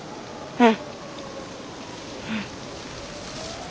うん。